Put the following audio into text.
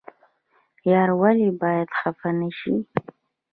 یار ولې باید خفه نشي؟